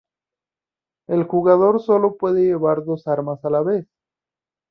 El jugador sólo puede llevar dos armas a la vez.